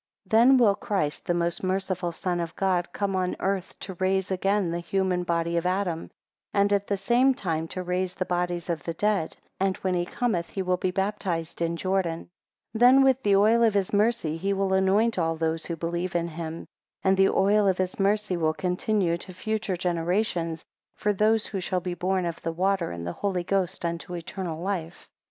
6 Then will Christ, the most merciful Son of God, come on earth to raise again the human body of Adam, and at the same time to raise the bodies of the dead, and when he cometh he will be baptized in Jordan; 7 Then with the oil of his mercy he will anoint all those who believe in him; and the oil of his mercy will continue to future generations, for those who shall be born of the water and the Holy Ghost unto eternal life.